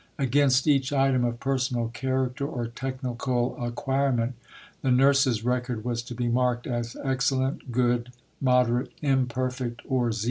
Against each item of personal character or technical acquirement, the nurse's record was to be marked as Excellent, Good, Moderate, Imperfect, or 0.